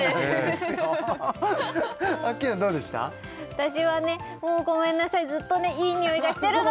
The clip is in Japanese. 私はねもうごめんなさいずっといい匂いがしてるの！